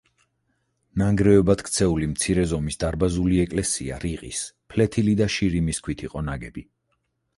ნანგრევებად ქცეული მცირე ზომის დარბაზული ეკლესია რიყის, ფლეთილი და შირიმის ქვით იყო ნაგები.